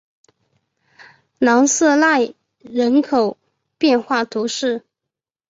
朗瑟奈人口变化图示